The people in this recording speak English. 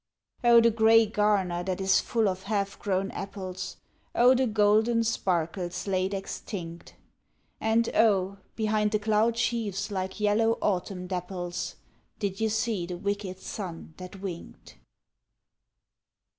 Oh the grey garner that is full of half grown apples, Oh the golden sparkles laid extinct! And oh, behind the cloud sheaves, like yellow autumn dapples, Did you see the wicked sun that winked!